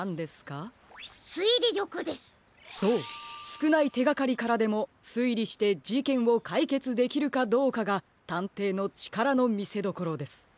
すくないてがかりからでもすいりしてじけんをかいけつできるかどうかがたんていのちからのみせどころです。